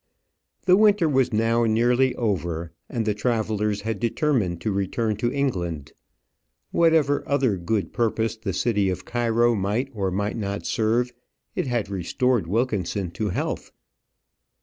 The winter was now nearly over, and the travellers had determined to return to England. Whatever other good purpose the city of Cairo might or might not serve, it had restored Wilkinson to health.